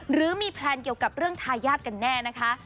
หรือมีแพลนเกี่ยวกับเรื่องทายาทกันแน่นะคะ